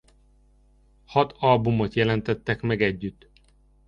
Hat albumot jelentettek meg együtt.